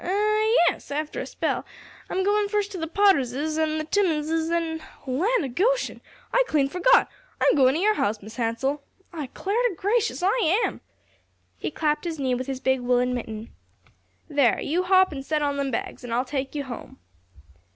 Eh, yes, after a spell. I'm goin' first to the Potterses, an' th' Timmenses, an' Land o' Goshen, I clean forgot, I'm goin' to your house, Mis' Hansell, I clar to gracious, I am!" He clapped his knee with his big woollen mitten. "There, you hop in an' set on them bags, an' I'll take you home."